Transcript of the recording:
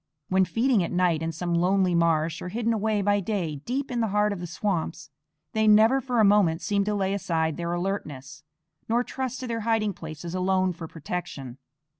When feeding at night in some lonely marsh, or hidden away by day deep in the heart of the swamps, they never for a moment seem to lay aside their alertness, nor trust to their hiding places alone for protection.